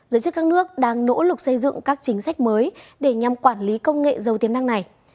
giới chức các nước đang nỗ lực xây dựng các chính sách mới để nhằm quản lý công nghệ giàu tiềm năng này